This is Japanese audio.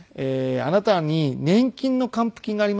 あなたに年金の還付金がありますよ